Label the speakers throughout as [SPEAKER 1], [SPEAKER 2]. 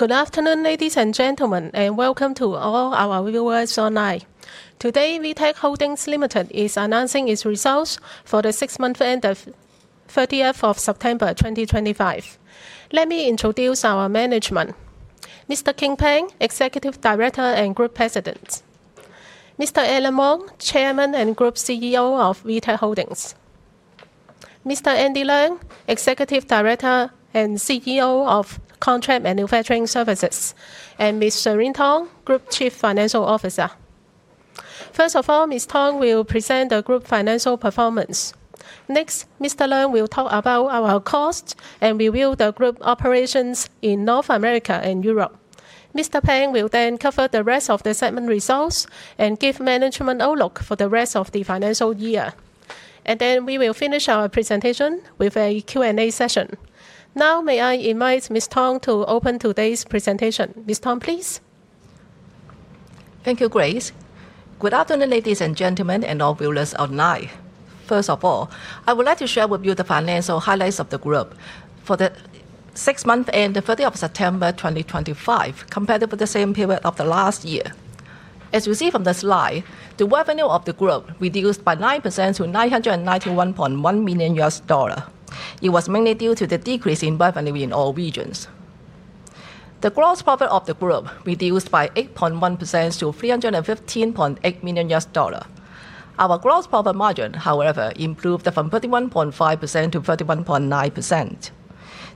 [SPEAKER 1] Good afternoon, ladies and gentlemen, and welcome to all our viewers online. Today, VTech Holdings is announcing its results for the 6-month end of 30 September 2025. Let me introduce our management: Mr. King Pang, Executive Director and Group President; Mr. Allan Wong, Chairman and Group CEO of VTech Holdings; Mr. Andy Leung, Executive Director and CEO of Contract Manufacturing Services; and Ms. Shereen Tong, Group Chief Financial Officer. First of all, Ms. Tong will present the group financial performance. Next, Mr. Leung will talk about our costs and review the group operations in North America and Europe. Mr. Pang will then cover the rest of the segment results and give management outlook for the rest of the financial year. We will finish our presentation with a Q&A session. Now, may I invite Ms. Tong to open today's presentation? Ms. Tong, please.
[SPEAKER 2] Thank you, Grace. Good afternoon, ladies and gentlemen, and all viewers online. First of all, I would like to share with you the financial highlights of the group for the six-month end of 30 September 2025, compared with the same period of the last year. As you see from the slide, the revenue of the group reduced by 9% to $991.1 million. It was mainly due to the decrease in revenue in all regions. The gross profit of the group reduced by 8.1% to $315.8 million. Our gross profit margin, however, improved from 31.5%-31.9%.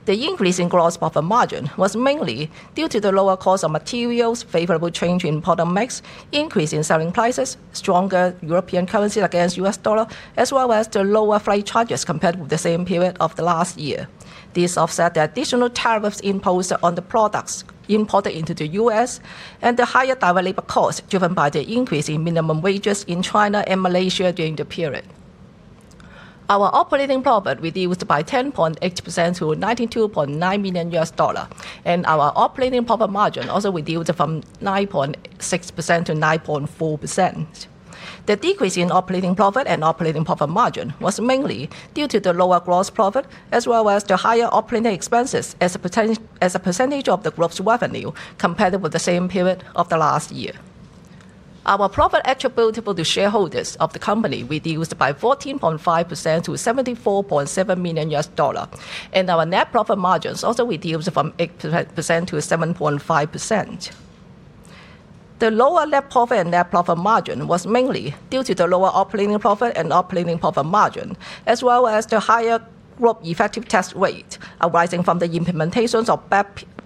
[SPEAKER 2] The increase in gross profit margin was mainly due to the lower cost of materials, favorable change in product mix, increase in selling prices, stronger European currency against U.S. dollar, as well as the lower freight charges compared with the same period of the last year. This offset the additional tariffs imposed on the products imported into the US and the higher direct labor costs driven by the increase in minimum wages in China and Malaysia during the period. Our operating profit reduced by 10.8% to $92.9 million, and our operating profit margin also reduced from 9.6%-9.4%. The decrease in operating profit and operating profit margin was mainly due to the lower gross profit as well as the higher operating expenses as a percentage of the gross revenue compared with the same period of the last year. Our profit attributable to shareholders of the company reduced by 14.5% to $74.7 million, and our net profit margins also reduced from 8% to 7.5%. The lower net profit and net profit margin was mainly due to the lower operating profit and operating profit margin, as well as the higher gross effective tax rate arising from the implementation of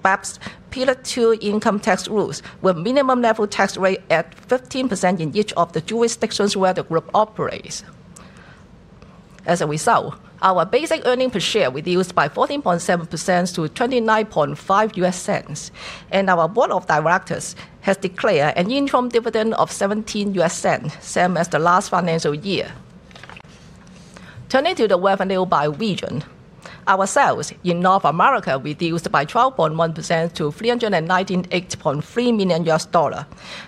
[SPEAKER 2] BEPS Pillar 2 income tax rules with minimum level tax rate at 15% in each of the jurisdictions where the group operates. As a result, our basic earnings per share reduced by 14.7% to $29.5, and our Board of Directors has declared an interim dividend of $17, same as the last financial year. Turning to the revenue by region, our sales in North America reduced by 12.1% to $398.3 million.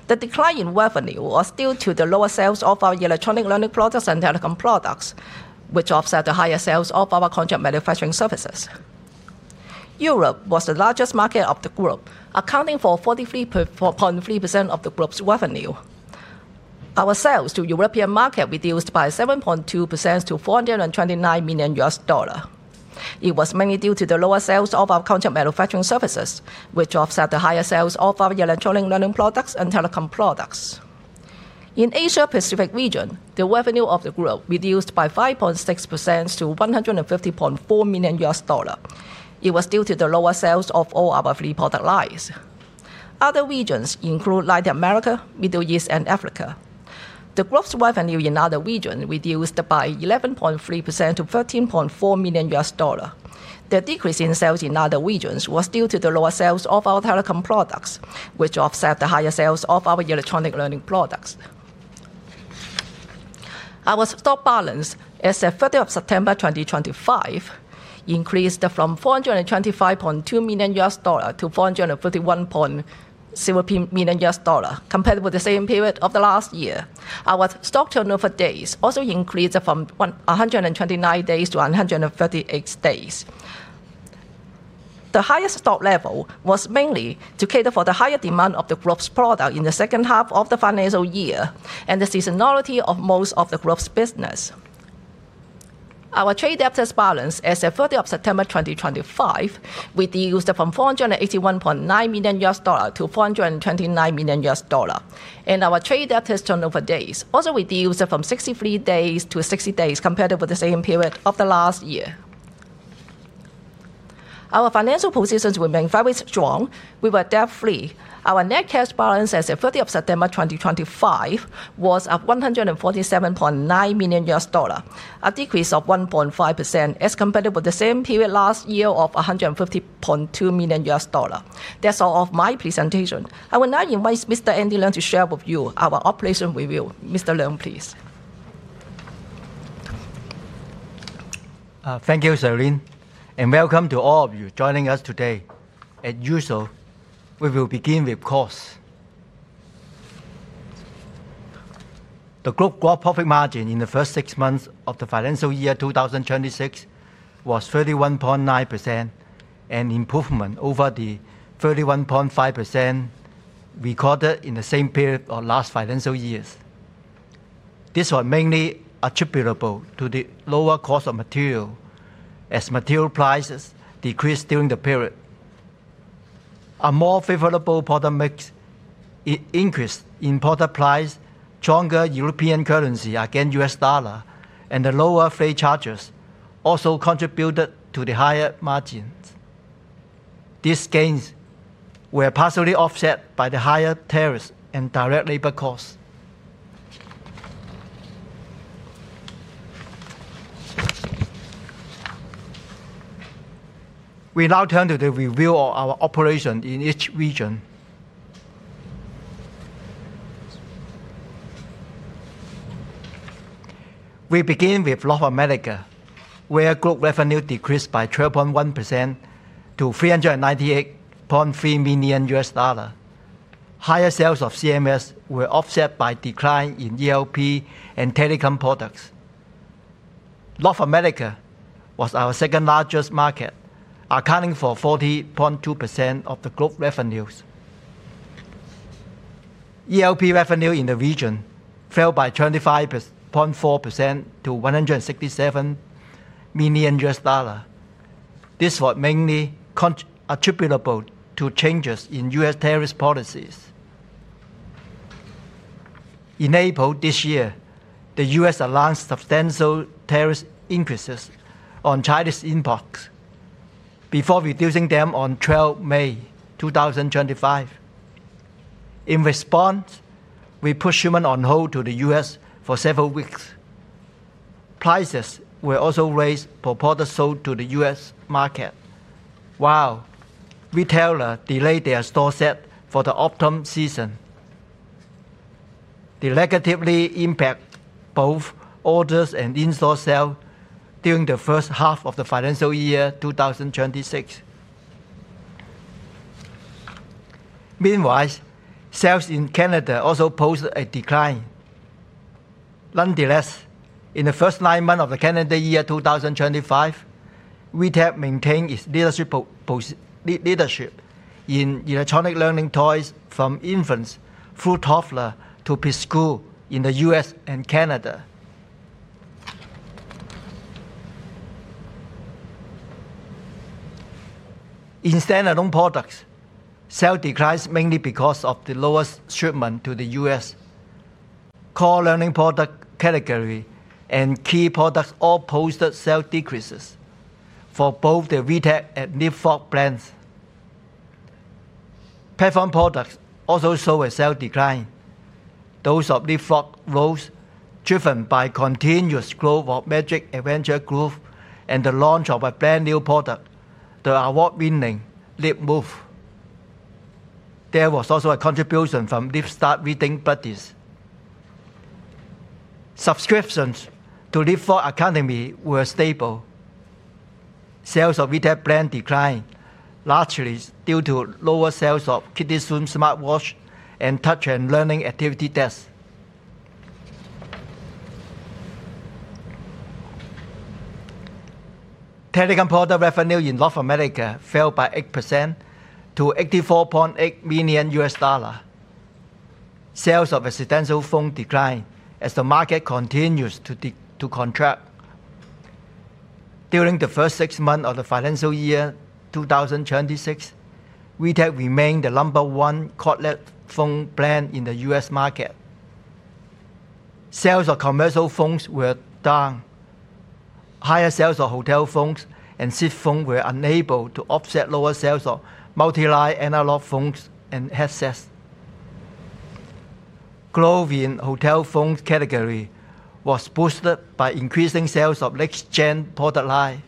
[SPEAKER 2] The decline in revenue was due to the lower sales of our electronic learning products and telecom products, which offset the higher sales of our contract manufacturing services. Europe was the largest market of the group, accounting for 43.3% of the group's revenue. Our sales to the European market reduced by 7.2% to $429 million. It was mainly due to the lower sales of our contract manufacturing services, which offset the higher sales of our electronic learning products and telecom products. In the Asia-Pacific region, the revenue of the group reduced by 5.6% to $150.4 million. It was due to the lower sales of all our three product lines. Other regions include Latin America, the Middle East, and Africa. The gross revenue in other regions reduced by 11.3% to $13.4 million. The decrease in sales in other regions was due to the lower sales of our telecom products, which offset the higher sales of our electronic learning products. Our stock balance as of 30 September 2025 increased from $425.2 million to $431.0 million compared with the same period of the last year. Our stock turnover days also increased from 129 days to 138 days. The higher stock level was mainly to cater for the higher demand of the gross product in the second half of the financial year and the seasonality of most of the gross business. Our trade deficit balance as of 30 September 2025 reduced from $481.9 million-$429 million, and our trade deficit turnover days also reduced from 63 days to 60 days compared with the same period of the last year. Our financial positions remain very strong with a debt-free. Our net cash balance as of 30 September 2025 was $147.9 million, a decrease of 1.5% as compared with the same period last year of $150.2 million. That's all of my presentation. I would now invite Mr. Andy Leung to share with you our operation review. Mr. Leung, please.
[SPEAKER 3] Thank you, Shereen, and welcome to all of you joining us today. As usual, we will begin with costs. The group gross profit margin in the first six months of the financial year 2026 was 31.9%, an improvement over the 31.5% recorded in the same period of last financial year. This was mainly attributable to the lower cost of material as material prices decreased during the period. A more favorable product mix, increase in product price, stronger European currency against U.S. dollar, and the lower freight charges also contributed to the higher margins. These gains were partially offset by the higher tariffs and direct labor costs. We now turn to the review of our operation in each region. We begin with North America, where group revenue decreased by 12.1% to $398.3 million. Higher sales of CMS were offset by decline in ELP and telecom products. North America was our second-largest market, accounting for 40.2% of the group revenues. ELP revenue in the region fell by 25.4% to $167 million. This was mainly attributable to changes in U.S. tariff policies. In April this year, the U.S. announced substantial tariff increases on Chinese imports before reducing them on 12 May 2025. In response, we put shipment on hold to the U.S. for several weeks. Prices were also raised for products sold to the U.S. market, while retailers delayed their stores for the autumn season. This negatively impacted both orders and in-store sales during the first half of the financial year 2026. Meanwhile, sales in Canada also posted a decline. Nonetheless, in the first nine months of the calendar year 2025, VTech maintained its leadership in electronic learning toys from infants through toddlers to preschool in the U.S. and Canada. In standard-owned products, sales declined mainly because of the lowest shipment to the U.S. Core learning product category and key products all posted sales decreases for both the VTech and LeapFrog brands. Platform products also saw a sales decline. Those of LeapFrog rose, driven by continuous growth of Magic Adventures Globe and the launch of a brand new product, the award-winning LeapMove. There was also a contribution from LeapStart Reading Buddies. Subscriptions to LeapFrog Academy were stable. Sales of VTech brand declined largely due to lower sales of Kidizoom Smartwatch and Touch & Learning Activity Desk. Telecom product revenue in North America fell by 8% to $84.8 million. Sales of residential phones declined as the market continues to contract. During the first six months of the financial year 2026, VTech remained the number one cordless phone brand in the U.S. market. Sales of commercial phones were down. Higher sales of hotel phones and seat phones were unable to offset lower sales of multi-line analog phones and headsets. Growth in the hotel phone category was boosted by increasing sales of next-gen product line.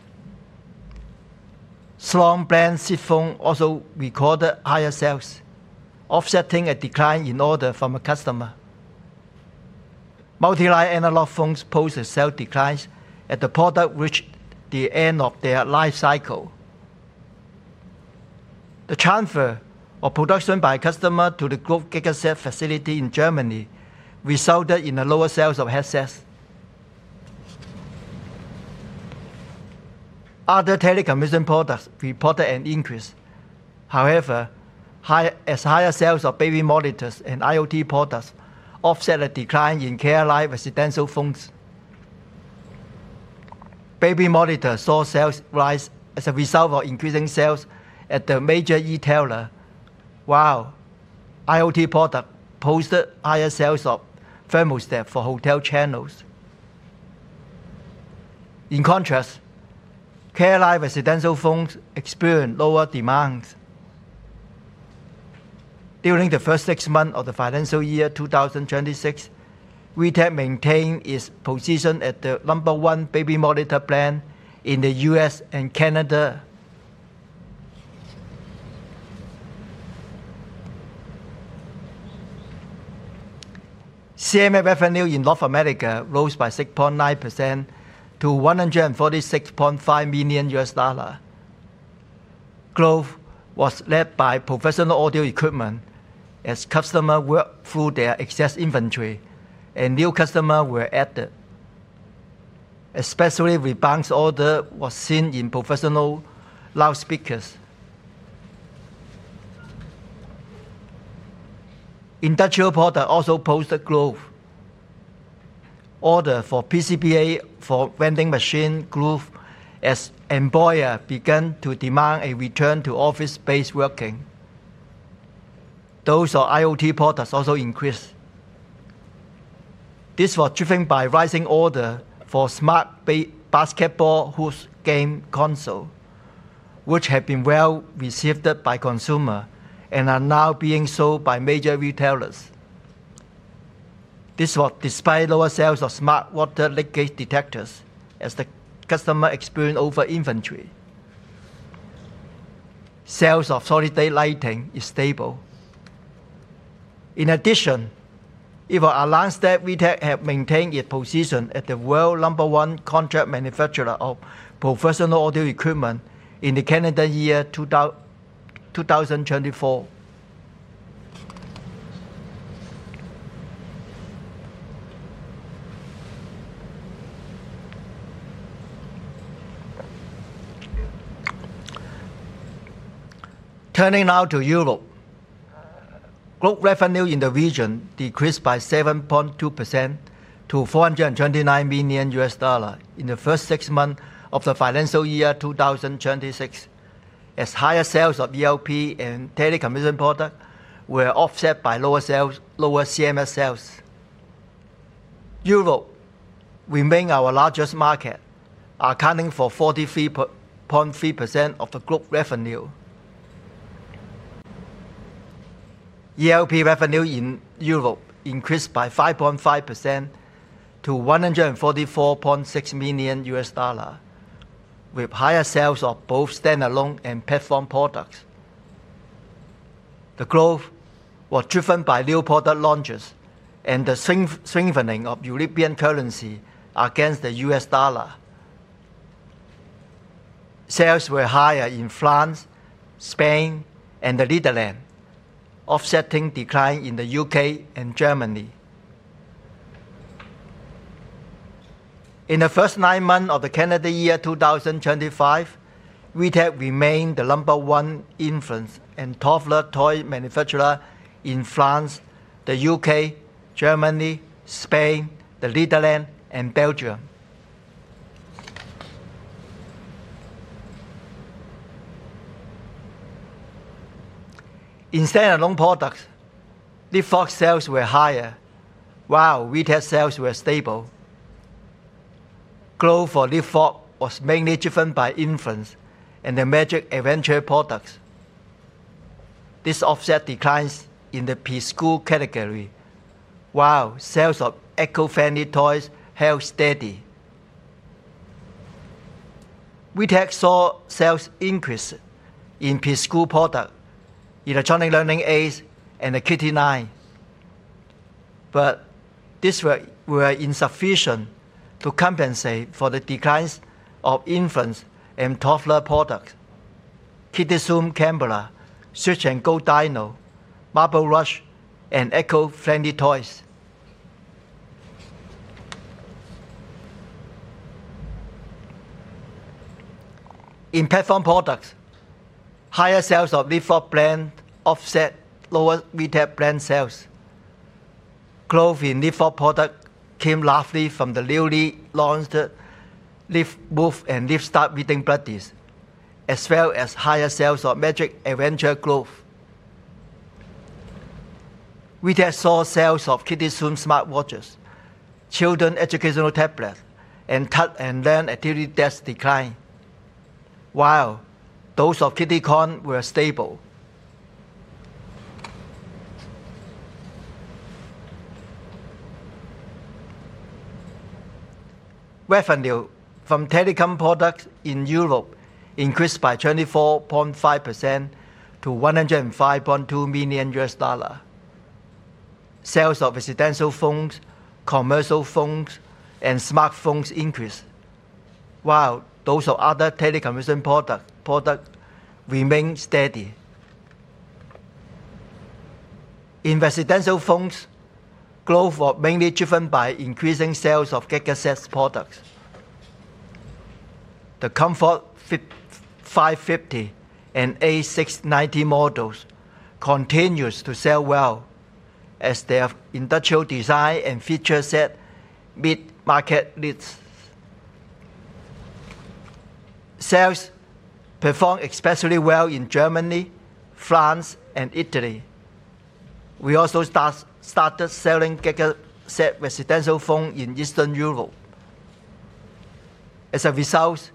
[SPEAKER 3] Sloan brand seat phone also recorded higher sales, offsetting a decline in order from a customer. Multi-line analog phones posted sales declines as the product reached the end of their life cycle. The transfer of production by customer to the group Gigaset facility in Germany resulted in lower sales of headsets. Other telecommunication products reported an increase. However, as higher sales of baby monitors and IoT products offset a decline in care-like residential phones, baby monitors saw sales rise as a result of increasing sales at the major retailer, while IoT products posted higher sales of thermal steps for hotel channels. In contrast, care-like residential phones experienced lower demand. During the first six months of the financial year 2026, VTech maintained its position as the number one baby monitor brand in the U.S. and Canada. CMS revenue in North America rose by 6.9% to $146.5 million. Growth was led by professional audio equipment as customers worked through their excess inventory and new customers were added. Especially, rebounds in orders were seen in professional loudspeakers. Industrial products also posted growth. Orders for PCBA for vending machines grew as employers began to demand a return to office-based working. Those of IoT products also increased. This was driven by rising orders for smart basketball hoop game consoles, which have been well received by consumers and are now being sold by major retailers. This was despite lower sales of smart water leakage detectors as the customer experienced over-inventory. Sales of solid-state lighting is stable. In addition, it was announced that VTech had maintained its position as the world number one contract manufacturer of professional audio equipment in the calendar year 2024. Turning now to Europe, group revenue in the region decreased by 7.2% to $429 million in the first six months of the financial year 2026 as higher sales of ELP and telecommunication products were offset by lower CMS sales. Europe remains our largest market, accounting for 43.3% of the group revenue. ELP revenue in Europe increased by 5.5% to $144.6 million with higher sales of both standalone and platform products. The growth was driven by new product launches and the strengthening of European currency against the U.S. dollar. Sales were higher in France, Spain, and the Netherlands, offsetting decline in the U.K. and Germany. In the first nine months of the calendar year 2025, VTech remained the number one infant and toddler toy manufacturer in France, the U.K., Germany, Spain, the Netherlands, and Belgium. In standalone products, LeapFrog sales were higher, while VTech sales were stable. Growth for LeapFrog was mainly driven by infant and the Magic Adventure products. This offset declines in the preschool category, while sales of eco-friendly toys held steady. VTech saw sales increase in preschool products, electronic learning aids, and the Kidi line. This was insufficient to compensate for the declines of infant and toddler products: Kidizoom Smartwatch, Switch & Go Dino, Marble Rush, and eco-friendly toys. In platform products, higher sales of LeapFrog brand offset lower VTech brand sales. Growth in LeapFrog products came largely from the newly launched LeapMove and LeapStart Reading Buddies, as well as higher sales of Magic Adventures Globe. VTech saw sales of Kidizoom Smartwatches, children's educational tablets, and Touch & Learn Activity Desk decline, while those of [KittyKong] were stable. Revenue from telecom products in Europe increased by 24.5% to $105.2 million. Sales of residential phones, commercial phones, and smartphones increased, while those of other telecommunication products remained steady. In residential phones, growth was mainly driven by increasing sales of Gigaset products. The Comfort 550 and A690 models continued to sell well as their industrial design and feature set meet market needs. Sales performed especially well in Germany, France, and Italy. We also started selling Gigaset residential phones in Eastern Europe. As a result,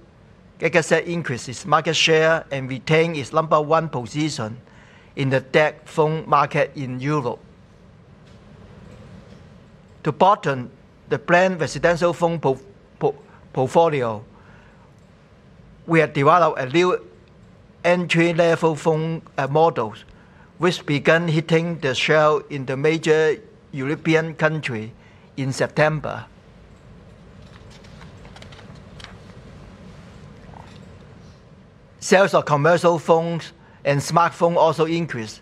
[SPEAKER 3] Gigaset increased its market share and retained its number one position in the tech phone market in Europe. To broaden the brand residential phone portfolio, we had developed a new entry-level phone model, which began hitting the shelves in the major European countries in September. Sales of commercial phones and smartphones also increased,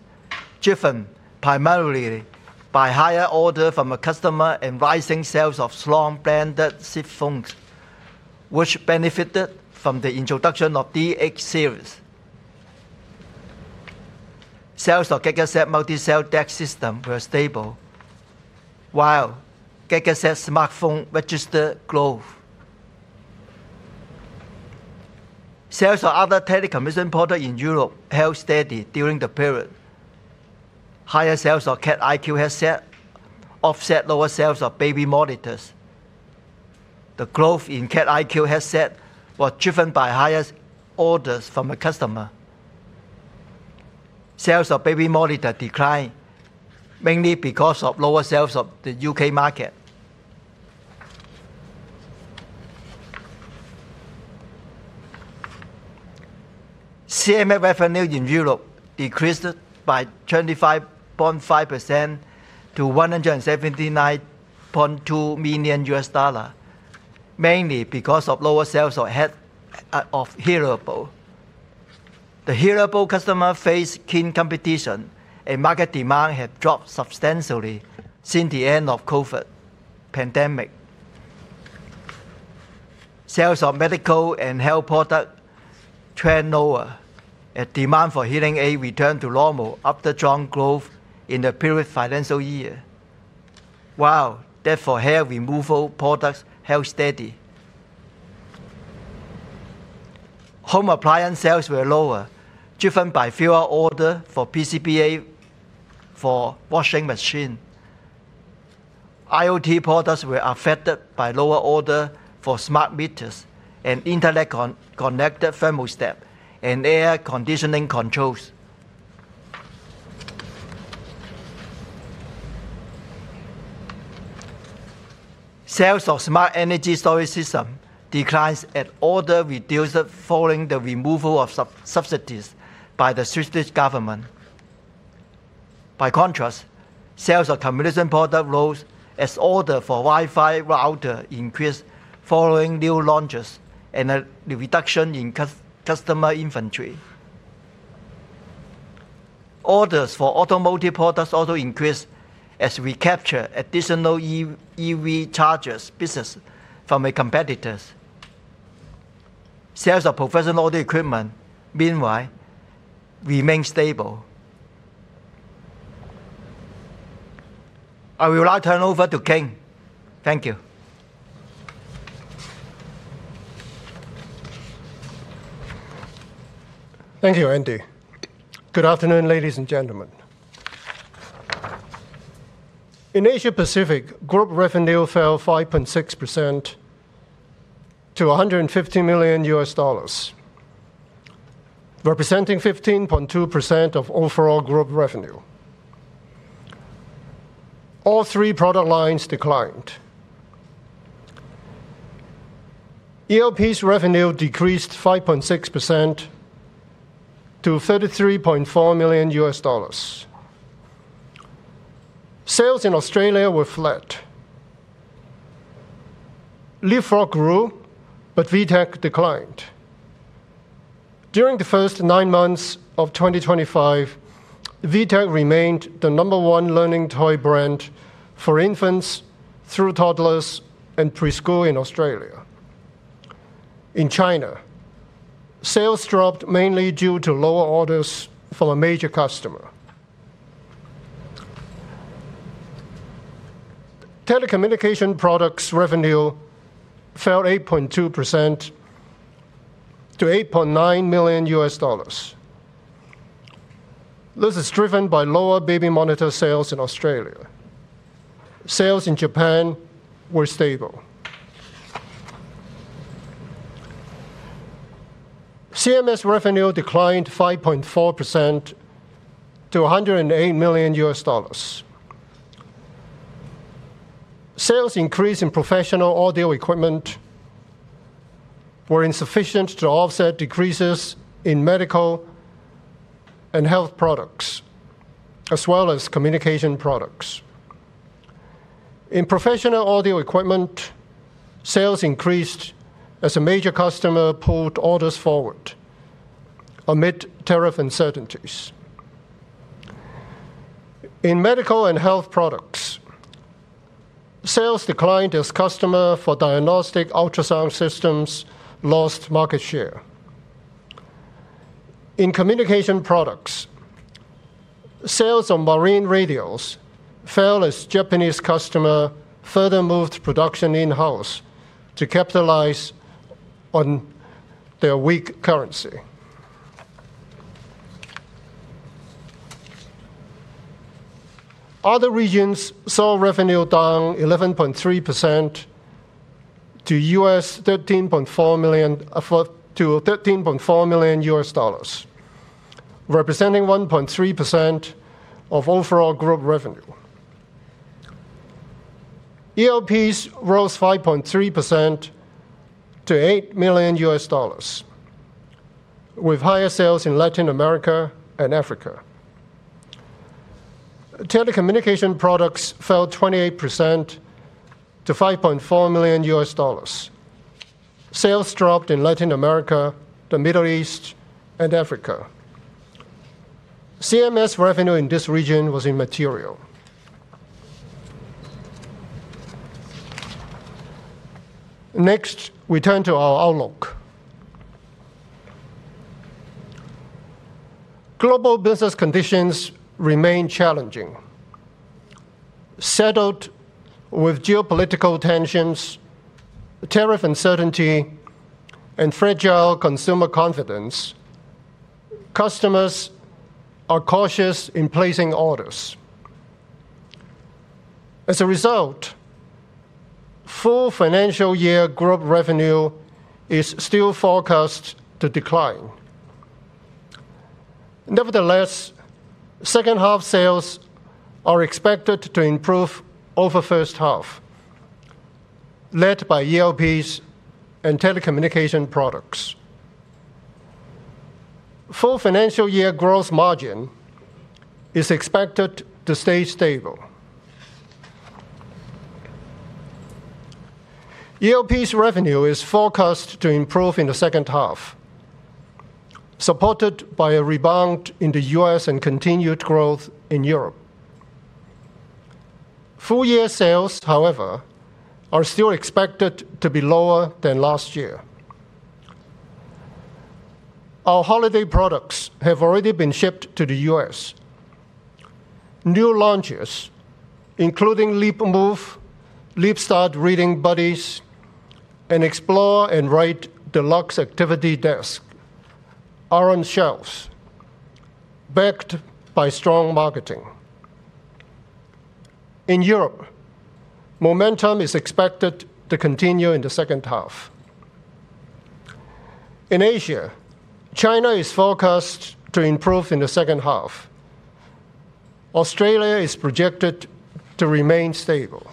[SPEAKER 3] driven primarily by higher order from a customer and rising sales of Sloan-branded seat phones, which benefited from the introduction of the D8 series. Sales of Gigaset multi-cell DAC system were stable, while Gigaset smartphone registered growth. Sales of other telecommunication products in Europe held steady during the period. Higher sales of CAT-iq headsets offset lower sales of baby monitors. The growth in CAT-iq headsets was driven by higher orders from a customer. Sales of baby monitors declined mainly because of lower sales of the U.K. market. CMS revenue in Europe decreased by 25.5% to $179.2 million, mainly because of lower sales of hearables. The hearable customer faced keen competition, and market demand had dropped substantially since the end of the COVID pandemic. Sales of medical and health products trended lower, and demand for hearing aids returned to normal after strong growth in the previous financial year, while that for hair removal products held steady. Home appliance sales were lower, driven by fewer orders for PCBA for washing machines. IoT products were affected by lower orders for smart meters and internet-connected thermal steps and air conditioning controls. Sales of smart energy storage systems declined as orders reduced following the removal of subsidies by the Swedish government. By contrast, sales of communication products rose as orders for Wi-Fi routers increased following new launches and a reduction in customer inventory. Orders for automotive products also increased as we captured additional EV chargers business from competitors. Sales of professional audio equipment, meanwhile, remained stable. I will now turn over to King. Thank you.
[SPEAKER 4] Thank you, Andy. Good afternoon, ladies and gentlemen. In Asia-Pacific, group revenue fell 5.6% to $150 million, representing 15.2% of overall group revenue. All three product lines declined. ELP's revenue decreased 5.6% to $33.4 million. Sales in Australia were flat. LeapFrog grew, but VTech declined. During the first nine months of 2025, VTech remained the number one learning toy brand for infants through toddlers and preschool in Australia. In China, sales dropped mainly due to lower orders from a major customer. Telecommunication products' revenue fell 8.2% to $8.9 million. This is driven by lower baby monitor sales in Australia. Sales in Japan were stable. CMS revenue declined 5.4% to $108 million. Sales increased in professional audio equipment were insufficient to offset decreases in medical and health products, as well as communication products. In professional audio equipment, sales increased as a major customer pulled orders forward amid tariff uncertainties. In medical and health products, sales declined as customers for diagnostic ultrasound systems lost market share. In communication products, sales of marine radios fell as Japanese customers further moved production in-house to capitalize on their weak currency. Other regions saw revenue down 11.3% to $13.4 million, representing 1.3% of overall group revenue. ELPs rose 5.3% to $8 million, with higher sales in Latin America and Africa. Telecommunication products fell 28% to $5.4 million. Sales dropped in Latin America, the Middle East, and Africa. CMS revenue in this region was immaterial. Next, we turn to our outlook. Global business conditions remain challenging. Settled with geopolitical tensions, tariff uncertainty, and fragile consumer confidence, customers are cautious in placing orders. As a result, full financial year group revenue is still forecast to decline. Nevertheless, second-half sales are expected to improve over the first half, led by ELPs and telecommunication products. Full financial year gross margin is expected to stay stable. ELP's revenue is forecast to improve in the second half, supported by a rebound in the U.S. and continued growth in Europe. Full year sales, however, are still expected to be lower than last year. Our holiday products have already been shipped to the U.S. New launches, including LeapMove, LeapStart Reading Buddies, and Explore and Write Deluxe Activity Desk, are on shelves, backed by strong marketing. In Europe, momentum is expected to continue in the second half. In Asia, China is forecast to improve in the second half. Australia is projected to remain stable.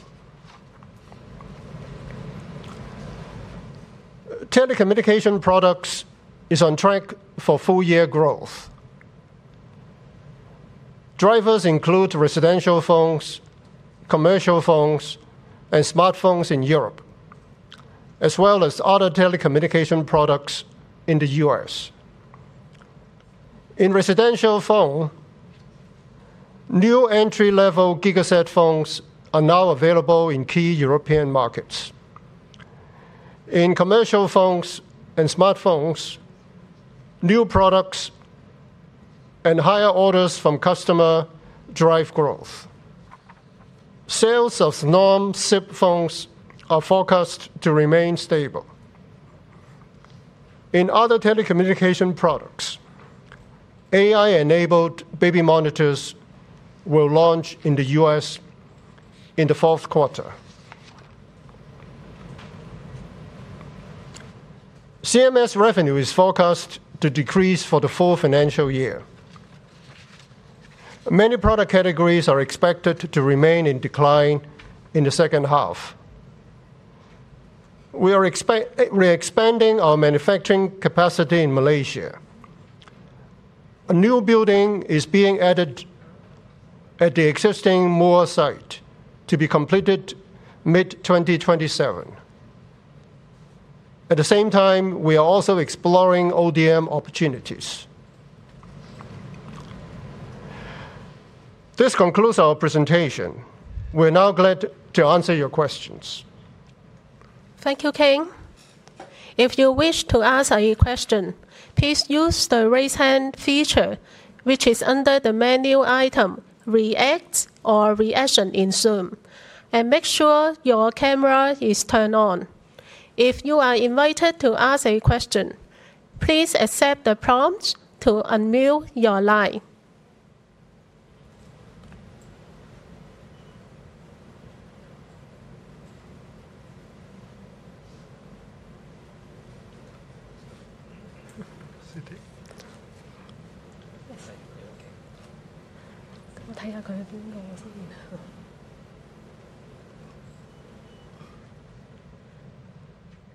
[SPEAKER 4] Telecommunication products are on track for full year growth. Drivers include residential phones, commercial phones, and smartphones in Europe, as well as other telecommunication products in the U.S. In residential phones, new entry-level Gigaset phones are now available in key European markets. In commercial phones and smartphones, new products and higher orders from customers drive growth. Sales of Sloan-type seat phones are forecast to remain stable. In other telecommunication products, AI-enabled baby monitors will launch in the US in the fourth quarter. CMS revenue is forecast to decrease for the full financial year. Many product categories are expected to remain in decline in the second half. We are expanding our manufacturing capacity in Malaysia. A new building is being added at the existing MOA site to be completed mid-2027. At the same time, we are also exploring ODM opportunities. This concludes our presentation. We're now glad to answer your questions.
[SPEAKER 1] Thank you, King. If you wish to ask a question, please use the raise hand feature, which is under the menu item React or Reaction in Zoom, and make sure your camera is turned on. If you are invited to ask a question, please accept the prompt to unmute your line.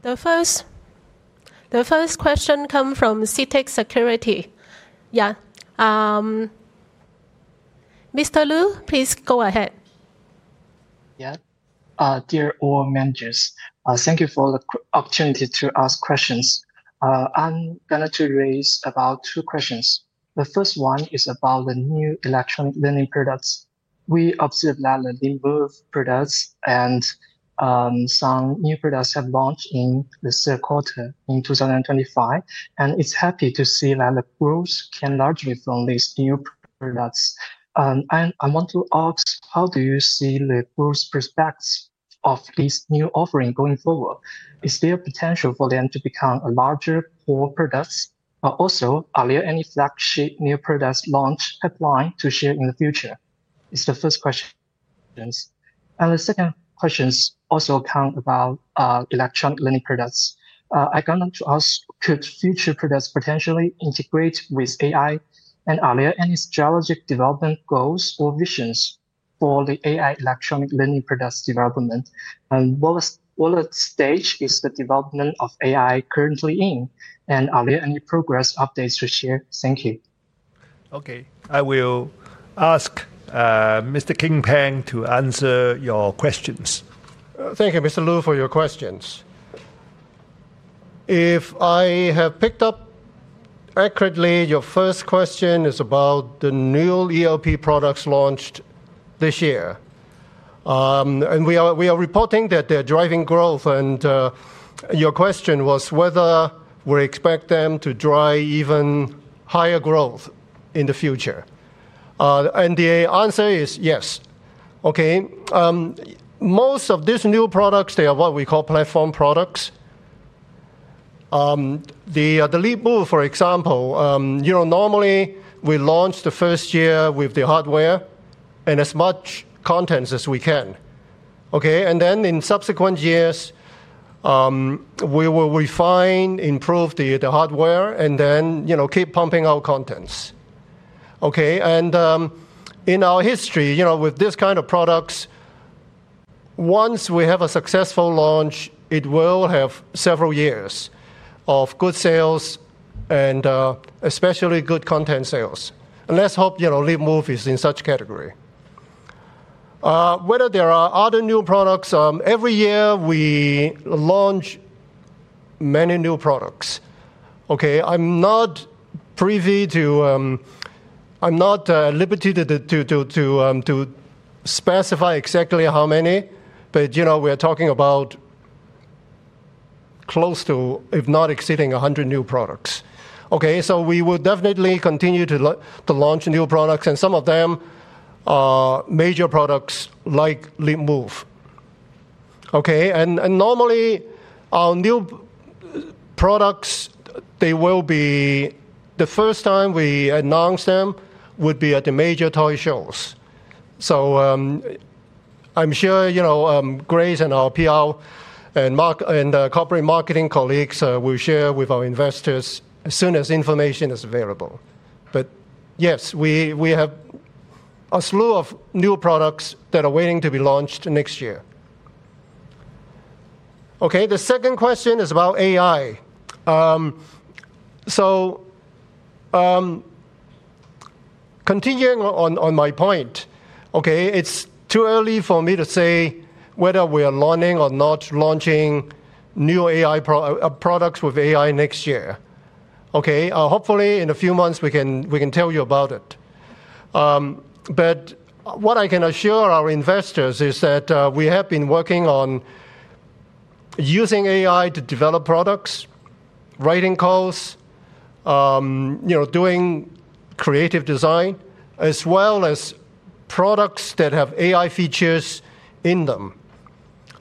[SPEAKER 1] The first question comes from Citic Securities Mr. Li please go ahead.
[SPEAKER 5] Yeah. Dear all managers, thank you for the opportunity to ask questions. I'm going to raise about two questions. The first one is about the new electronic learning products. We observed that the LeapMove products and some new products have launched in the third quarter in 2025, and it's happy to see that the growth can largely be from these new products. I want to ask, how do you see the growth prospects of these new offerings going forward? Is there potential for them to become larger core products? Also, are there any flagship new products launch pipelines to share in the future? It's the first question. The second question also comes about electronic learning products. I want to ask, could future products potentially integrate with AI? Are there any strategic development goals or visions for the AI electronic learning products development? What stage is the development of AI currently in? Are there any progress updates to share? Thank you.
[SPEAKER 3] Okay, I will ask Mr. King Pang to answer your questions.
[SPEAKER 4] Thank you, Mr. Li, for your questions. If I have picked up accurately, your first question is about the new ELP products launched this year. We are reporting that they're driving growth. Your question was whether we expect them to drive even higher growth in the future. The answer is yes. Okay, most of these new products, they are what we call platform products. The LeapMove, for example, normally we launch the first year with the hardware and as much content as we can. Okay, and then in subsequent years, we will refine, improve the hardware, and then keep pumping out contents. Okay, and in our history, with this kind of products, once we have a successful launch, it will have several years of good sales and especially good content sales. Let's hope LeapMove is in such a category. Whether there are other new products, every year we launch many new products. Okay, I'm not privy to--I'm not limited to specify exactly how many, but we are talking about close to, if not exceeding, 100 new products. Okay, we will definitely continue to launch new products, and some of them are major products like LeapMove. Okay, and normally our new products, they will be—the first time we announce them would be at the major toy shows. I am sure Grace and our PR and Corporate Marketing colleagues will share with our investors as soon as information is available. Yes, we have a slew of new products that are waiting to be launched next year. The second question is about AI. Continuing on my point, it is too early for me to say whether we are launching or not launching new AI products with AI next year. Hopefully in a few months we can tell you about it. What I can assure our investors is that we have been working on using AI to develop products, writing codes, doing creative design, as well as products that have AI features in them.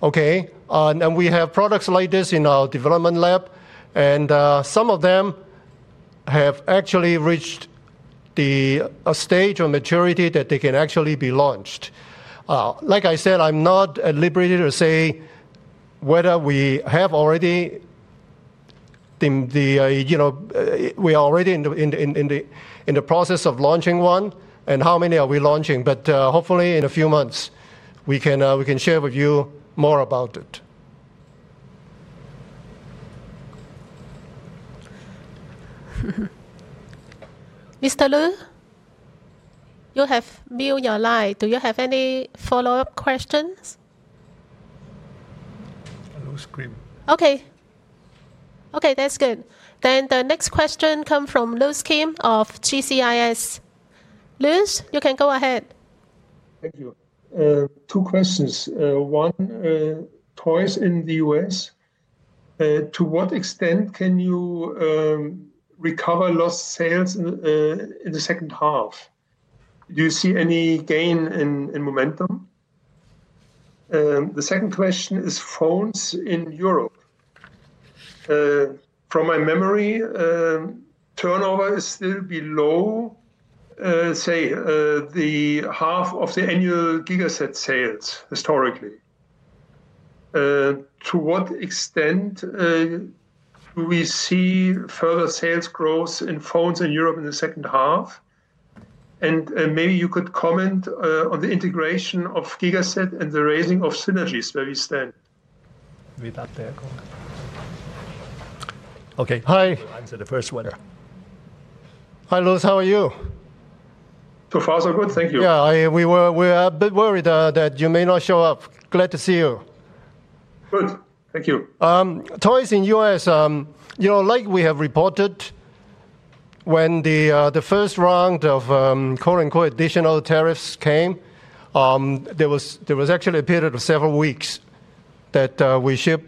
[SPEAKER 4] Okay, and we have products like this in our development lab, and some of them have actually reached a stage of maturity that they can actually be launched. Like I said, I'm not liberated to say whether we have already—the we are already in the process of launching one and how many are we launching. Hopefully in a few months we can share with you more about it.
[SPEAKER 1] Mr. Li, you have moved your line. Do you have any follow-up questions? Okay. Okay, that's good. The next question comes from Luke Skin of GCIS. Luke, you can go ahead.
[SPEAKER 6] Thank you. Two questions. One, toys in the U.S., to what extent can you recover lost sales in the second half? Do you see any gain in momentum? The second question is phones in Europe. From my memory, turnover is still below, say, the half of the annual Gigaset sales historically. To what extent do we see further sales growth in phones in Europe in the second half? Maybe you could comment on the integration of Gigaset and the raising of synergies where we stand.
[SPEAKER 4] Okay. Hi. I'm the first one. Hi, Luke. How are you?
[SPEAKER 6] So far, so good. Thank you.
[SPEAKER 4] Yeah, we were a bit worried that you may not show up. Glad to see you. Good. Thank you. Toys in the U.S., like we have reported, when the first round of "additional tariffs" came, there was actually a period of several weeks that we shipped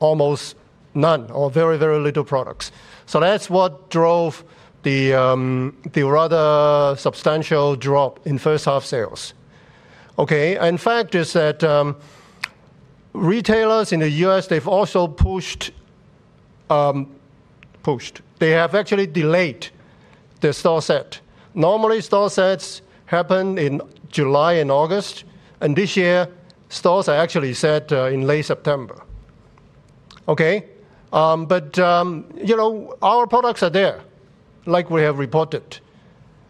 [SPEAKER 4] almost none or very, very little products. That is what drove the rather substantial drop in first-half sales. Okay, and the fact is that retailers in the U.S., they've also pushed, they have actually delayed their store set. Normally, store sets happen in July and August, and this year stores are actually set in late September. Okay, but our products are there, like we have reported.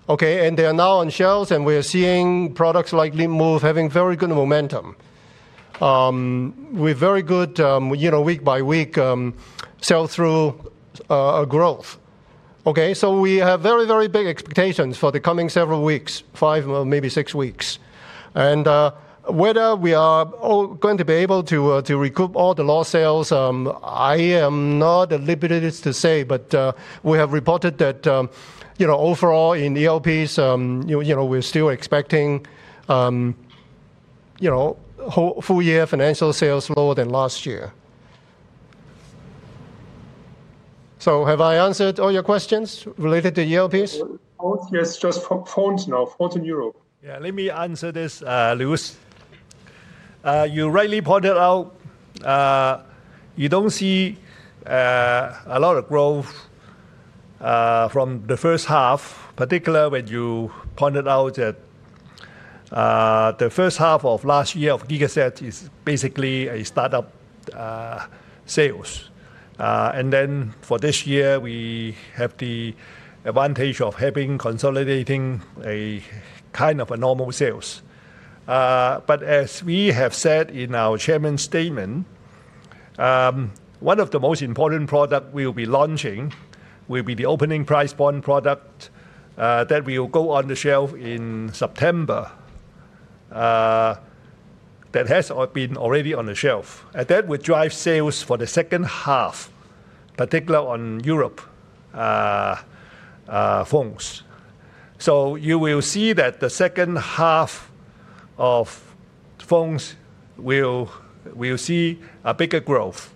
[SPEAKER 4] Okay, and they are now on shelves, and we are seeing products like LeapMove having very good momentum with very good week-by-week sell-through growth. Okay, we have very, very big expectations for the coming several weeks, five, maybe six weeks. Whether we are going to be able to recoup all the lost sales, I am not liberated to say, but we have reported that overall in ELPs, we're still expecting full year financial sales lower than last year. Have I answered all your questions related to ELPs?
[SPEAKER 6] Yes, just phones now. Phones in Europe.
[SPEAKER 3] Yeah, let me answer this, Luke. You rightly pointed out you do not see a lot of growth from the first half, particularly when you pointed out that the first half of last year of Gigaset is basically a startup sales. For this year, we have the advantage of having consolidating a kind of normal sales. As we have said in our Chairman statement, one of the most important products we will be launching will be the opening price point product that will go on the shelf in September that has been already on the shelf. That will drive sales for the second half, particularly on Europe phones. You will see that the second half of phones will see a bigger growth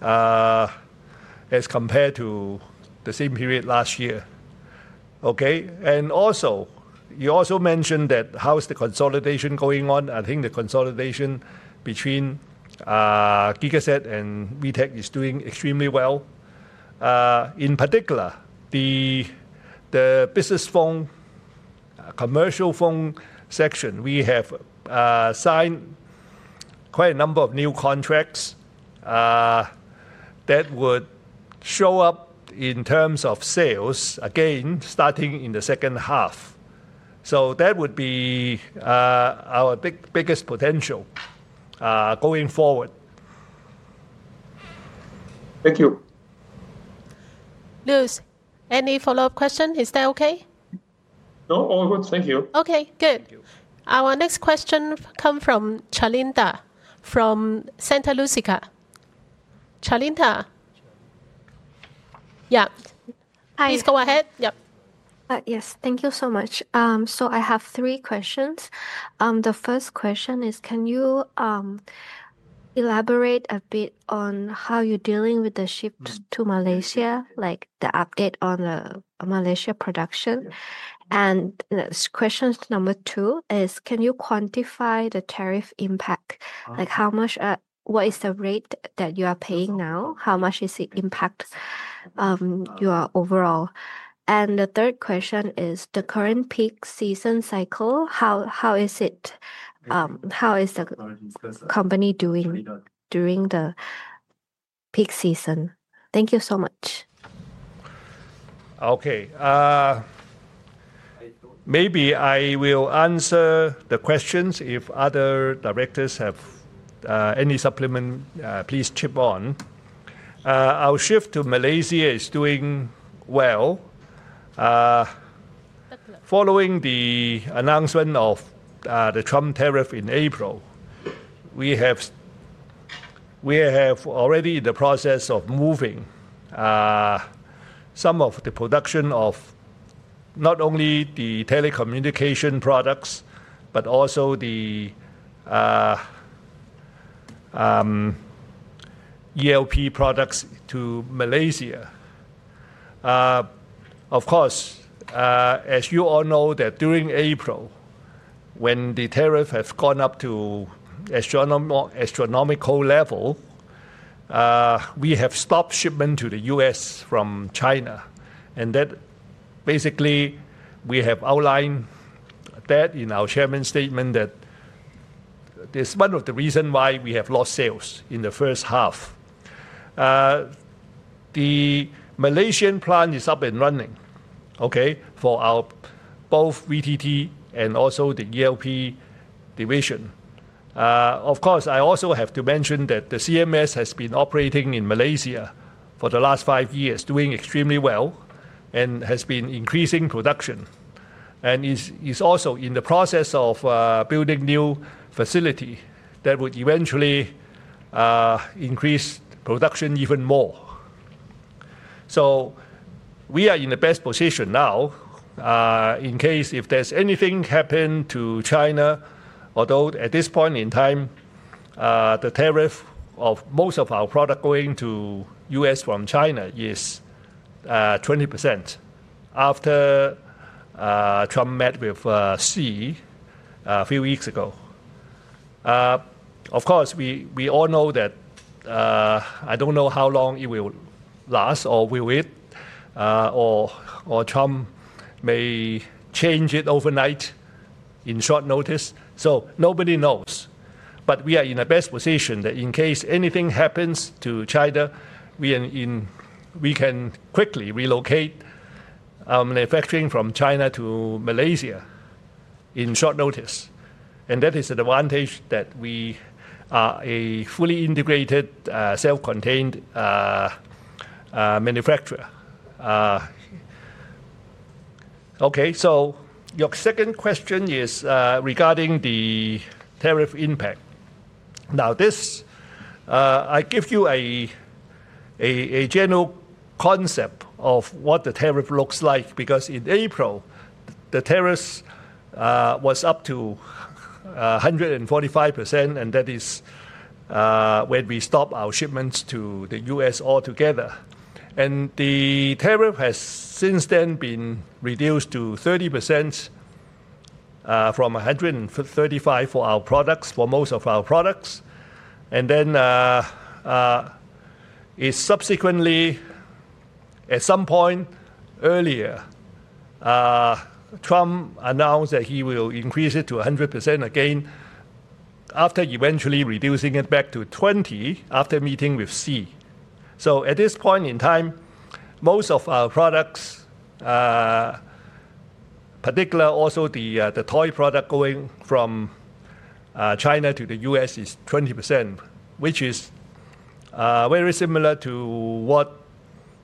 [SPEAKER 3] as compared to the same period last year. You also mentioned that how is the consolidation going on? I think the consolidation between Gigaset and VTech is doing extremely well. In particular, the business phone, commercial phone section, we have signed quite a number of new contracts that would show up in terms of sales again starting in the second half. That would be our biggest potential going forward. Thank you.
[SPEAKER 1] Luke, any follow-up question? Is that okay?
[SPEAKER 6] No, all good. Thank you.
[SPEAKER 1] Okay, good. Our next question comes from Chalinda from Santa Lucia. Chalinda. Yeah. Please go ahead.
[SPEAKER 7] Yes. Thank you so much. I have three questions. The first question is, can you elaborate a bit on how you're dealing with the shift to Malaysia, like the update on the Malaysia production? Question number two is, can you quantify the tariff impact? Like how much, what is the rate that you are paying now? How much is the impact your overall? The third question is, the current peak season cycle, how is it? How is the company doing during the peak season? Thank you so much.
[SPEAKER 3] Okay. Maybe I will answer the questions. If other directors have any supplement, please chip on. Our shift to Malaysia is doing well. Following the announcement of the Trump tariff in April, we have already in the process of moving some of the production of not only the telecommunication products, but also the ELP products to Malaysia. Of course, as you all know, that during April, when the tariff has gone up to astronomical level, we have stopped shipment to the US from China. That basically we have outlined that in our Chairman statement that it is one of the reasons why we have lost sales in the first half. The Malaysian plant is up and running, okay, for both VTT and also the ELP division. Of course, I also have to mention that the CMS has been operating in Malaysia for the last five years, doing extremely well, and has been increasing production. It is also in the process of building new facilities that would eventually increase production even more. We are in the best position now in case if anything happens to China, although at this point in time, the tariff of most of our product going to US from China is 20% after Trump met with Xi a few weeks ago. Of course, we all know that I don't know how long it will last or will it, or Trump may change it overnight in short notice. Nobody knows. We are in the best position that in case anything happens to China, we can quickly relocate our manufacturing from China to Malaysia on short notice. That is an advantage that we are a fully integrated, self-contained manufacturer. Okay, your second question is regarding the tariff impact. Now, I give you a general concept of what the tariff looks like because in April, the tariffs were up to 145%, and that is when we stopped our shipments to the US altogether. The tariff has since then been reduced to 30% from 135% for our products, for most of our products. Subsequently, at some point earlier, Trump announced that he would increase it to 100% again after eventually reducing it back to 20% after meeting with Xi. At this point in time, most of our products, particularly also the toy product going from China to the U.S., is 20%, which is very similar to what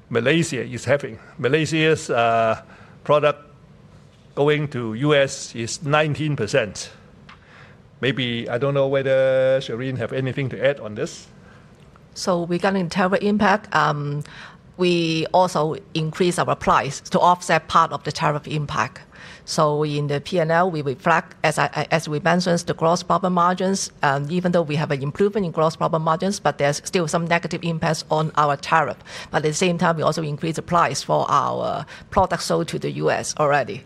[SPEAKER 3] Malaysia is having. Malaysia's product going to the US is 19%. Maybe I don't know whether Shereen has anything to add on this.
[SPEAKER 2] Regarding tariff impact, we also increased our price to offset part of the tariff impact. In the P&L, we reflect, as we mentioned, the gross profit margins, even though we have an improvement in gross profit margins, but there's still some negative impacts on our tariff. At the same time, we also increased the price for our products sold to the US already.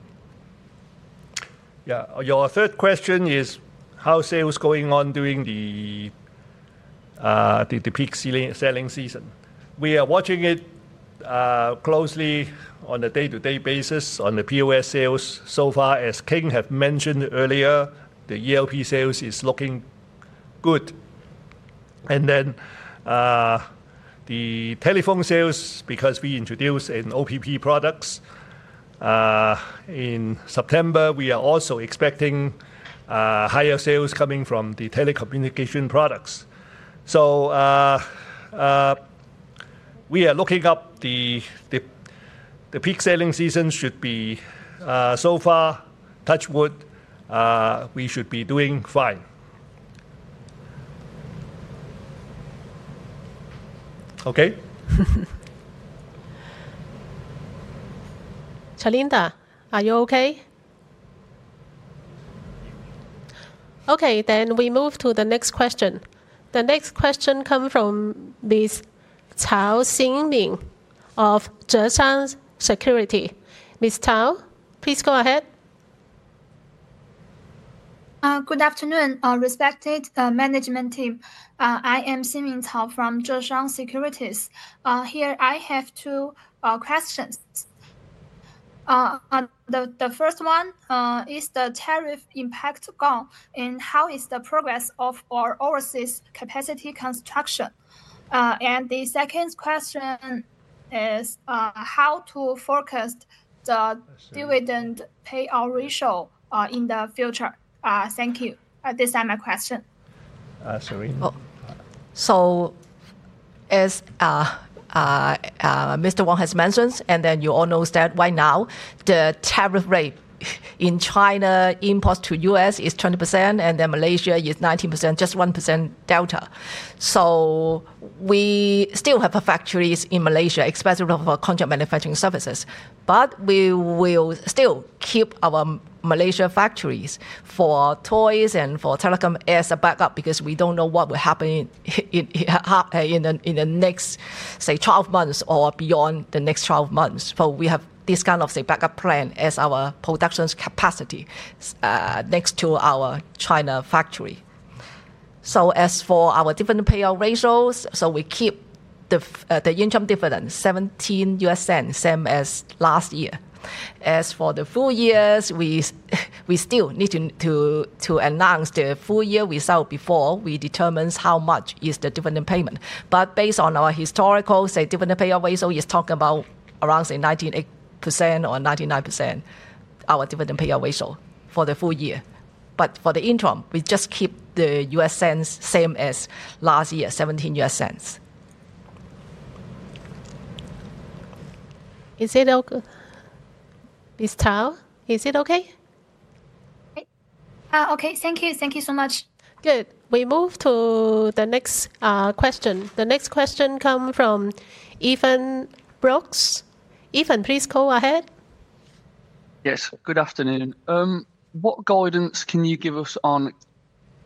[SPEAKER 3] Yeah, your third question is how's sales going on during the peak selling season? We are watching it closely on a day-to-day basis on the POS sales. So far, as King had mentioned earlier, the ELP sales is looking good. Then the telephone sales, because we introduced an OPP product in September, we are also expecting higher sales coming from the telecommunication products. We are looking up, the peak selling season should be, so far, touch wood, we should be doing fine. Okay.
[SPEAKER 1] Chalinda, are you okay? Okay, we move to the next question. The next question comes from Ms. Tao Xiangming of Zheshang Securities. Ms. Tao, please go ahead.
[SPEAKER 8] Good afternoon, respected management team. I am Xiangming Tao from Zheshang Securities. Here I have two questions. The first one is the tariff impact gone and how is the progress of our overseas capacity construction? The second question is how to focus the dividend payout ratio in the future? Thank you. This is my question.
[SPEAKER 2] So as Mr. Wong has mentioned, and then you all know that right now the tariff rate in China's imports to the U.S. is 20%, and then Malaysia is 19%, just 1% delta. We still have factories in Malaysia, especially for contract manufacturing services. We will still keep our Malaysia factories for toys and for telecom as a backup because we do not know what will happen in the next, say, 12 months or beyond the next 12 months. We have this kind of, say, backup plan as our production capacity next to our China factory. As for our dividend payout ratios, we keep the income dividend, $0.17, same as last year. As for the full years, we still need to announce the full year result before we determine how much is the dividend payment. But based on our historical, say, dividend payout ratio, it's talking about around, say, 19% or 99% our dividend payout ratio for the full year. For the interim, we just keep the U.S. cents same as last year, $0.17.
[SPEAKER 1] Is it okay? Ms. Tao, is it okay?
[SPEAKER 9] Okay, thank you. Thank you so much.
[SPEAKER 1] Good. We move to the next question. The next question comes from Ethan Brooks. Ethan, please go ahead.
[SPEAKER 10] Yes, good afternoon. What guidance can you give us on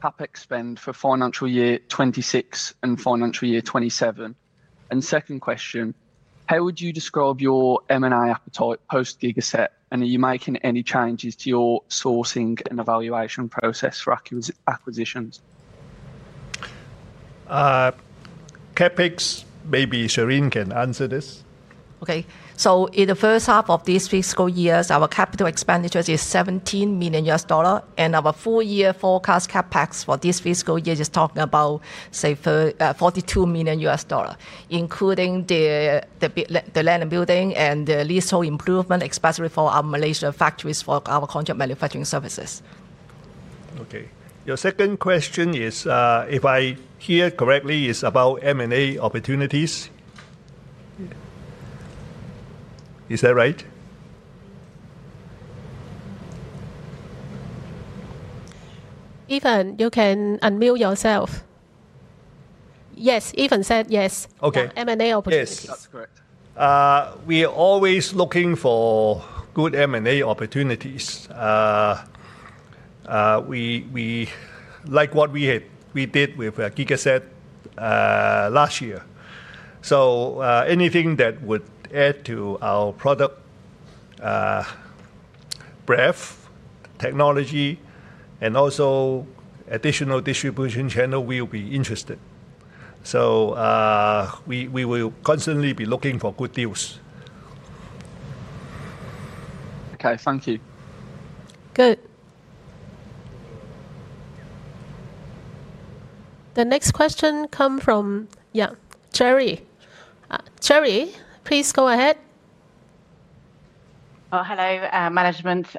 [SPEAKER 10] CapEx spend for financial year 2026 and financial year 2027? Second question, how would you describe your M&A appetite post-Gigaset? Are you making any changes to your sourcing and evaluation process for acquisitions?
[SPEAKER 4] CapEx, maybe Shereen can answer this.
[SPEAKER 2] Okay, so in the first half of this fiscal year, our capital expenditure is $17 million, and our full year forecast CapEx for this fiscal year is talking about, say, $42 million, including the land and building and the leasehold improvement, especially for our Malaysia factories for our contract manufacturing services.
[SPEAKER 4] Okay, your second question is, if I hear correctly, is about M&A opportunities. Is that right?
[SPEAKER 1] Ethan, you can unmute yourself. Yes, Ethan said yes. M&A opportunities.
[SPEAKER 10] Yes, that's correct.
[SPEAKER 4] We are always looking for good M&A opportunities. We like what we did with Gigaset last year. So anything that would add to our product breadth, technology, and also additional distribution channel we will be interested. So we will constantly be looking for good deals.
[SPEAKER 10] Okay, thank you.
[SPEAKER 1] Good. The next question comes from, yeah, Cherry. Cherry, please go ahead. Hello, management.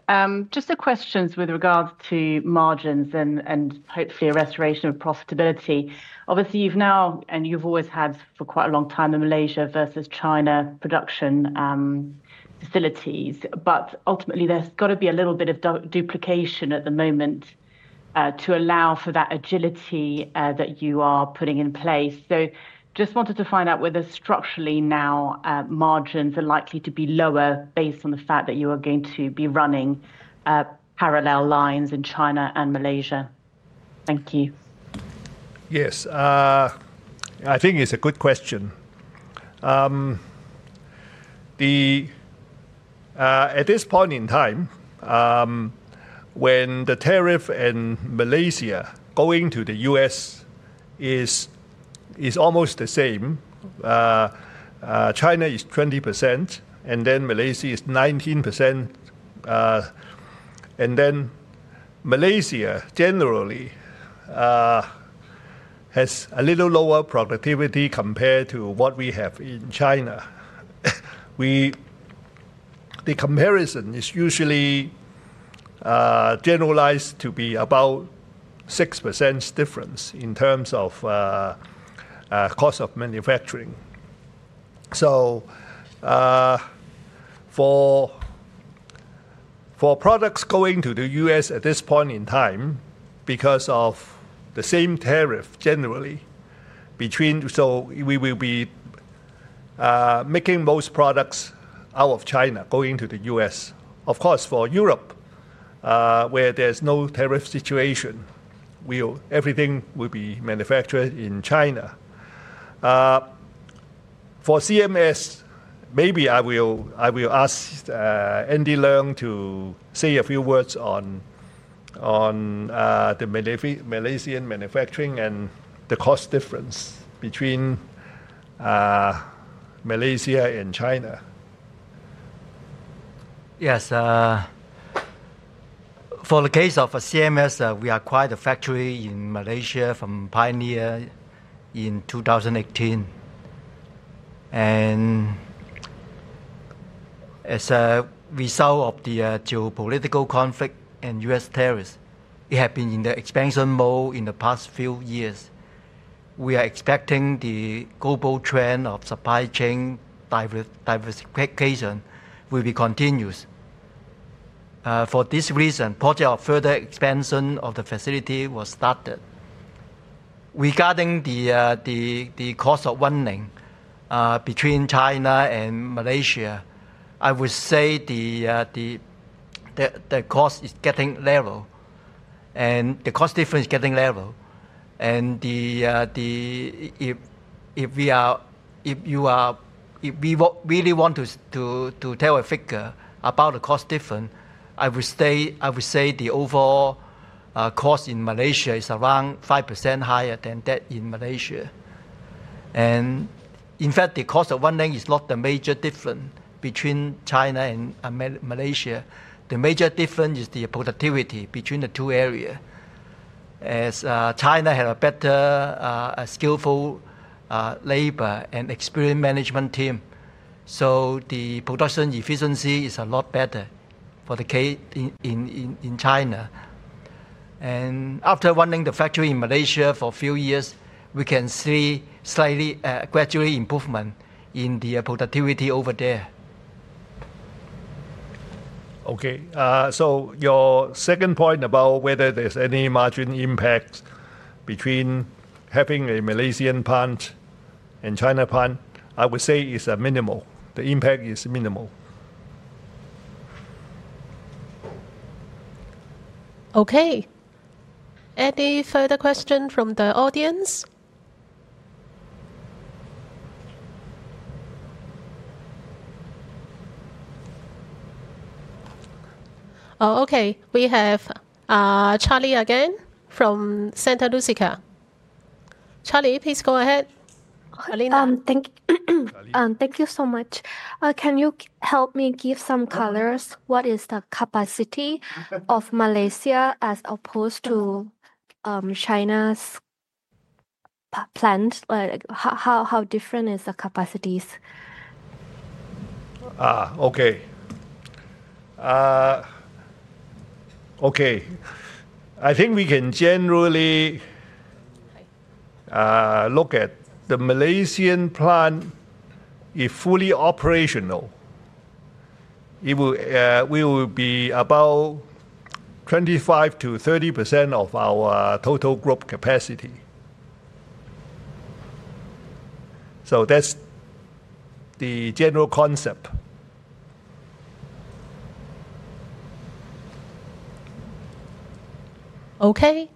[SPEAKER 11] Just a question with regards to margins and hopefully a restoration of profitability. Obviously, you've now, and you've always had for quite a long time in Malaysia versus China production facilities, but ultimately there's got to be a little bit of duplication at the moment to allow for that agility that you are putting in place. Just wanted to find out whether structurally now margins are likely to be lower based on the fact that you are going to be running parallel lines in China and Malaysia. Thank you.
[SPEAKER 4] Yes, I think it's a good question. At this point in time, when the tariff in Malaysia going to the US is almost the same, China is 20%, and then Malaysia is 19%. Malaysia generally has a little lower productivity compared to what we have in China. The comparison is usually generalized to be about 6% difference in terms of cost of manufacturing. For products going to the US at this point in time, because of the same tariff generally, we will be making most products out of China going to the U.S. Of course, for Europe, where there is no tariff situation, everything will be manufactured in China. For CMS, maybe I will ask Andy Leung to say a few words on the Malaysian manufacturing and the cost difference between Malaysia and China.
[SPEAKER 3] Yes, for the case of CMS, we acquired a factory in Malaysia from Pioneer in 2018. As a result of the geopolitical conflict and U.S. tariffs, it has been in the expansion mode in the past few years. We are expecting the global trend of supply chain diversification will be continuous. For this reason, the project of further expansion of the facility was started. Regarding the cost of running between China and Malaysia, I would say the cost is getting level and the cost difference is getting level. If you really want to tell a figure about the cost difference, I would say the overall cost in Malaysia is around 5% higher than that in China. In fact, the cost of running is not the major difference between China and Malaysia. The major difference is the productivity between the two areas. As China has a better, skillful labor and experienced management team, the production efficiency is a lot better for the case in China. After running the factory in Malaysia for a few years, we can see slightly gradually improvement in the productivity over there.
[SPEAKER 4] Okay, so your second point about whether there's any margin impact between having a Malaysian plant and China plant, I would say it's minimal. The impact is minimal.
[SPEAKER 1] Okay, any further questions from the audience? Okay, we have Charlie again from Santa Lucia. Charlie, please go ahead.
[SPEAKER 7] Thank you so much. Can you help me give some colors? What is the capacity of Malaysia as opposed to China's plant? How different is the capacities?
[SPEAKER 4] Okay. Okay, I think we can generally look at the Malaysian plant. If fully operational, we will be about 25%-30% of our total group capacity. So that's the general concept.
[SPEAKER 1] Okay,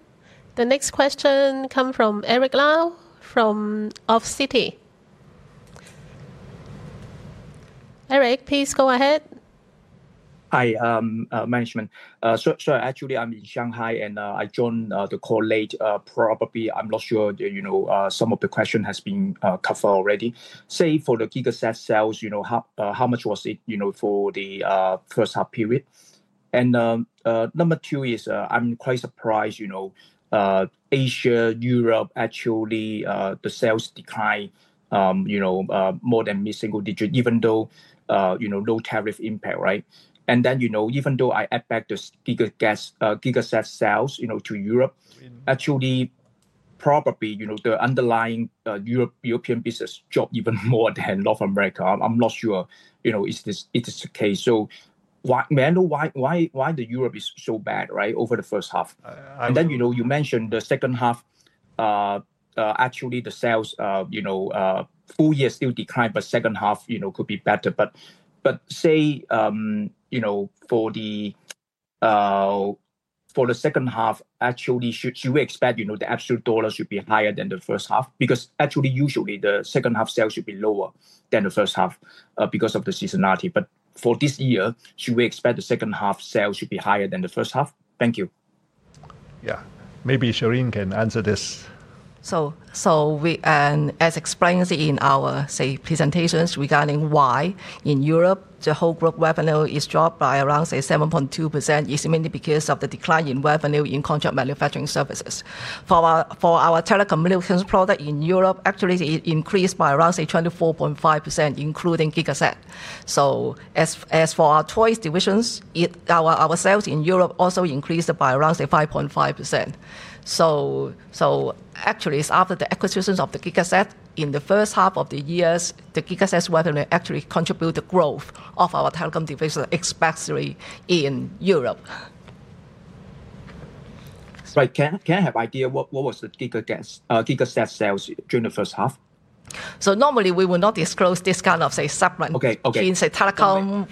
[SPEAKER 1] the next question comes from Eric Lau from Off City. Eric, please go ahead.
[SPEAKER 12] Hi, management. So actually, I'm in Shanghai and I joined the call late. Probably I'm not sure some of the questions have been covered already. Say for the Gigaset sales, how much was it for the first half period? Number two is I'm quite surprised Asia-Europe, actually the sales decline more than single digit, even though no tariff impact, right? Even though I add back the Gigaset sales to Europe, actually probably the underlying European business drop even more than North America. I'm not sure if this is the case. May I know why the Europe is so bad, right, over the first half? You mentioned the second half, actually the sales full year still declined, but second half could be better. Say for the second half, actually should we expect the absolute dollar should be higher than the first half? Because actually usually the second half sales should be lower than the first half because of the seasonality. For this year, should we expect the second half sales should be higher than the first half? Thank you.
[SPEAKER 4] Yeah, maybe Shereen can answer this.
[SPEAKER 2] As explained in our presentations regarding why in Europe the whole group revenue is dropped by around 7.2%, it is mainly because of the decline in revenue in contract manufacturing services. For our telecommunications product in Europe, actually it increased by around 24.5%, including Gigaset. As for our toys divisions, our sales in Europe also increased by around 5.5%. Actually after the acquisition of Gigaset, in the first half of the years, Gigaset's revenue actually contributed to the growth of our telecom division especially in Europe.
[SPEAKER 12] Right, can I have an idea what was the Gigaset sales during the first half?
[SPEAKER 2] Normally we will not disclose this kind of, say, separate between telecom,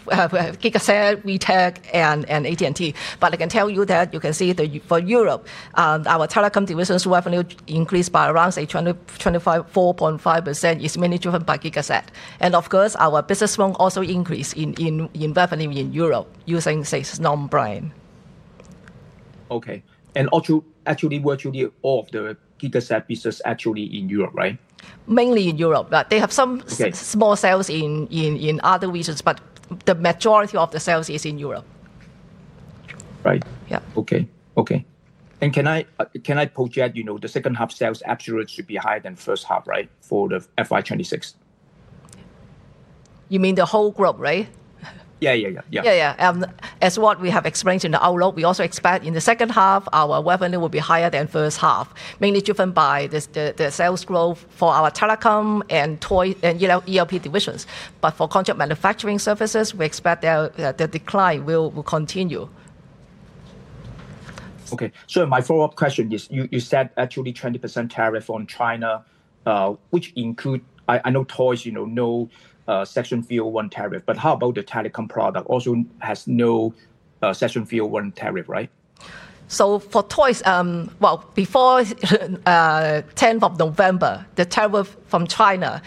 [SPEAKER 2] Gigaset, VTech, and AT&T. I can tell you that you can see for Europe, our telecom division's revenue increased by around, say, 24.5% is mainly driven by Gigaset. Of course, our business also increased in revenue in Europe using, say, Snowmobile.
[SPEAKER 12] Actually, virtually all of the Gigaset business is actually in Europe, right?
[SPEAKER 2] Mainly in Europe. They have some small sales in other regions, but the majority of the sales is in Europe.
[SPEAKER 12] Right. Yeah. Okay, okay. Can I post that the second half sales absolutely should be higher than first half, right, for the FY 2026?
[SPEAKER 2] You mean the whole group, right?
[SPEAKER 12] Yeah, yeah, yeah. Yeah, yeah.
[SPEAKER 2] As what we have explained in the outlook, we also expect in the second half, our revenue will be higher than first half, mainly driven by the sales growth for our telecom and toys and ELP divisions. For contract manufacturing services, we expect the decline will continue.
[SPEAKER 12] Okay, my follow-up question is, you said actually 20% tariff on China, which includes, I know toys no Section 301 tariff, but how about the telecom product also has no Section 301 tariff, right?
[SPEAKER 2] For toys, before 10th of November, the tariff from China,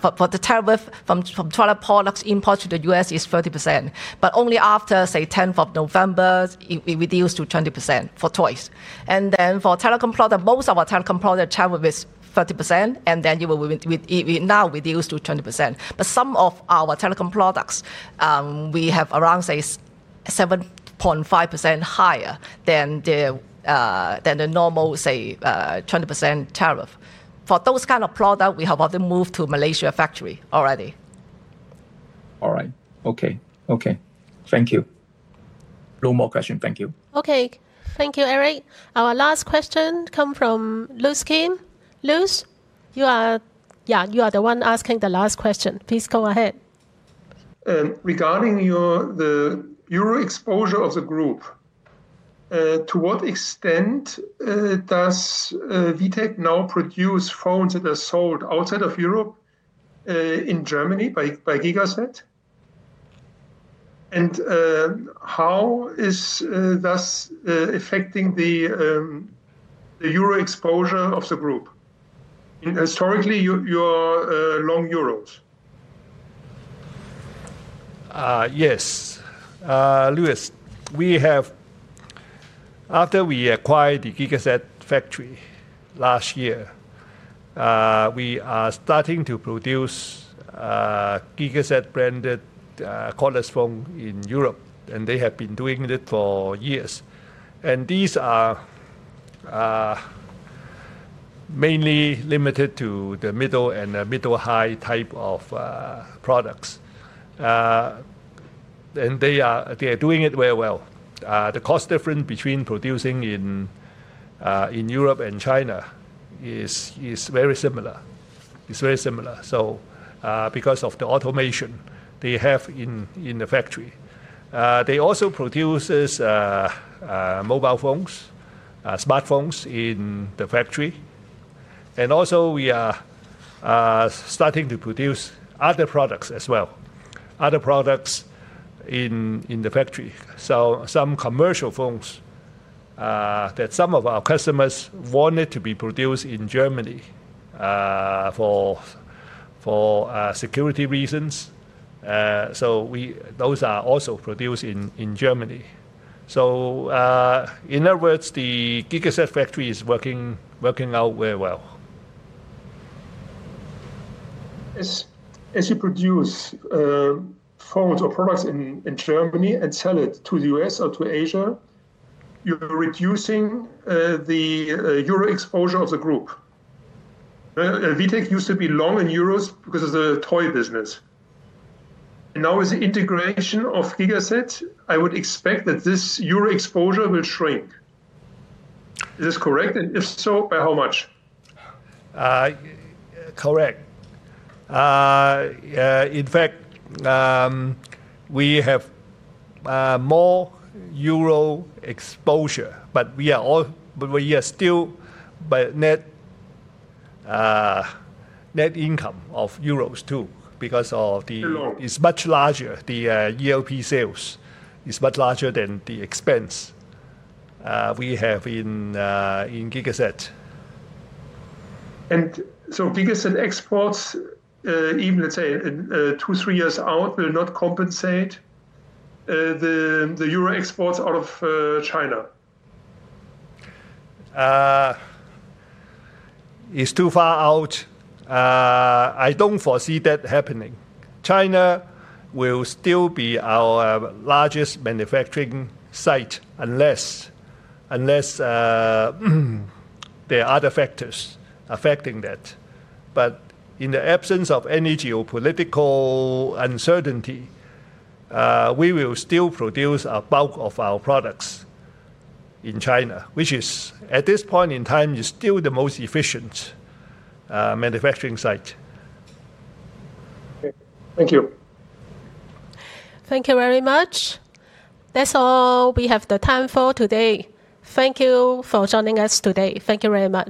[SPEAKER 2] for the tariff from China products imported to the U.S. is 30%. Only after, say, 10th of November, it reduced to 20% for toys. For telecom product, most of our telecom product tariff is 30%, and now reduced to 20%. But some of our telecom products, we have around, say, 7.5% higher than the normal, say, 20% tariff. For those kind of products, we have already moved to Malaysia factory already.
[SPEAKER 13] All right, okay, okay. Thank you. No more questions, thank you.
[SPEAKER 1] Okay, thank you, Eric. Our last question comes from Luke Skin. Luke, you are the one asking the last question. Please go ahead.
[SPEAKER 6] Regarding the euro exposure of the group, to what extent does VTech now produce phones that are sold outside of Europe in Germany by Gigaset? And how is this affecting the euro exposure of the group? Historically, your long euros.
[SPEAKER 3] Yes, Luke, after we acquired the Gigaset factory last year, we are starting to produce Gigaset branded cordless phones in Europe, and they have been doing it for years. These are mainly limited to the middle and middle-high type of products. They are doing it very well. The cost difference between producing in Europe and China is very similar. It's very similar. Because of the automation they have in the factory, they also produce mobile phones, smartphones in the factory. We are starting to produce other products as well, other products in the factory. Some commercial phones that some of our customers wanted to be produced in Germany for security reasons, those are also produced in Germany. In other words, the Gigaset factory is working out very well.
[SPEAKER 6] As you produce phones or products in Germany and sell it to the U.S. or to Asia, you're reducing the euro exposure of the group. VTech used to be long in euros because of the toy business. Now with the integration of Gigaset, I would expect that this euro exposure will shrink. Is this correct? If so, by how much?
[SPEAKER 3] Correct. In fact, we have more euro exposure, but we are still by net income of euros too because of the. It is much larger. The ELP sales is much larger than the expense we have in Gigaset.
[SPEAKER 6] Gigaset exports, even let's say two-three years out, will not compensate the euro exports out of China.
[SPEAKER 3] It is too far out. I do not foresee that happening. China will still be our largest manufacturing site unless there are other factors affecting that. In the absence of any geopolitical uncertainty, we will still produce a bulk of our products in China, which at this point in time is still the most efficient manufacturing site.
[SPEAKER 6] Okay, thank you.
[SPEAKER 1] Thank you very much. That is all we have the time for today. Thank you for joining us today. Thank you very much.